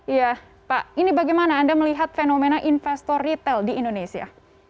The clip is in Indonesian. iya pak ini bagaimana anda melihat fenomena investor retail di indonesia